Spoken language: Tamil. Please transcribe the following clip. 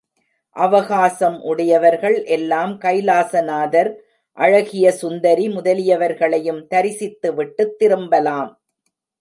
அவகாசம் உடையவர்கள் எல்லாம் கைலாசநாதர், அழகிய சுந்தரி முதலியவர்களையும் தரிசித்துவிட்டுத் திரும்பலாம்.